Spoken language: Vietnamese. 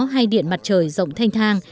hay điện mặt trời rộng thanh thang